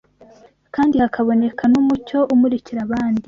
kandi hakaboneka n’umucyo umurikira abandi.